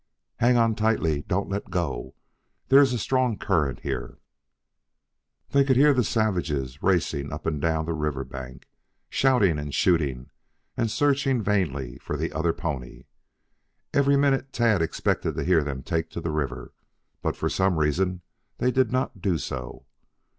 "Hang on tightly. Don't let go. There is a strong current here." They could hear the savages racing up and down the river bank, shouting and shooting and searching vainly for the other pony. Every minute Tad expected to hear them take to the river, but for some reason they did not do so.